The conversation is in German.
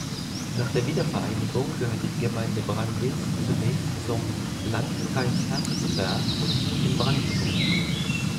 Nach der Wiedervereinigung gehörte die Gemeinde Brandis zunächst zum "Landkreis Herzberg" in Brandenburg.